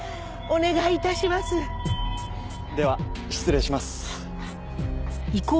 では失礼します。